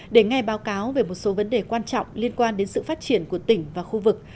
để nghe báo cáo về một số vấn đề quan trọng liên quan đến sự phát triển của tỉnh và khu vực